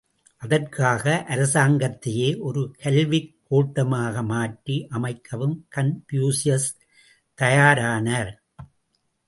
அதற்காக, அரசாங்கத்தையே ஒரு கல்விக் கோட்டமாக மாற்றி அமைக்கவும் கன்பூசியஸ் தயாரானார்.